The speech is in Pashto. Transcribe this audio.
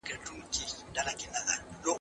سياست پوهنه د ټولنې په نظم کي مهم رول لوبوي.